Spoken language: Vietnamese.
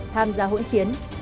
tham gia hỗn chiến